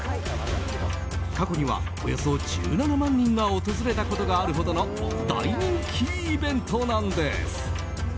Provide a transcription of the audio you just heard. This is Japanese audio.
過去にはおよそ１７万人が訪れたことがあるほどの大人気イベントなんです。